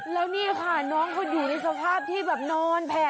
แล้วนี่ค่ะน้องเขาอยู่ในสภาพที่แบบนอนแผ่